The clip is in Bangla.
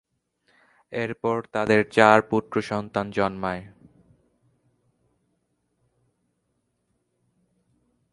এরপর তাদের চার পুত্র সন্তান জন্মায়।